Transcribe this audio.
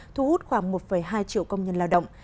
thu hút khoảng một hai triệu công nhân lao động